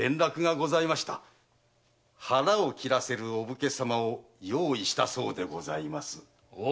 腹を切らせるお武家様を用意したそうでございます。